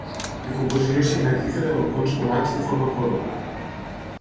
De composició simètrica de balcons volats de forma corba.